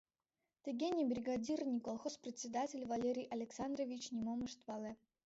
Тыге ни бригадир, ни колхоз председатель Валерий Александрович нимом ышт пале.